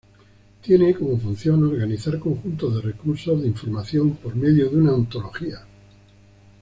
Tiene como función organizar conjuntos de recursos de información por medio de una ontología.